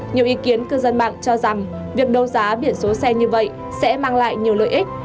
nhiều ý kiến cư dân mạng cho rằng việc đấu giá biển số xe như vậy sẽ mang lại nhiều lợi ích